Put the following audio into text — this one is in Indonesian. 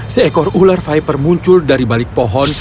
seekor ular viper muncul dari balik pohon